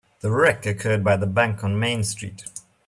The wreck occurred by the bank on Main Street.